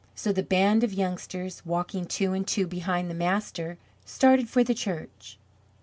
So the band of youngsters, walking two and two behind the master, started for the church.